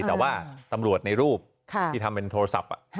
แต่ว่าตำรวจในรูปที่ทำเป็นโทรศัพท์